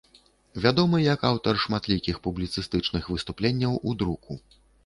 Вядомы як аўтар шматлікіх публіцыстычных выступленняў у друку.